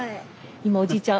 今おじいちゃん。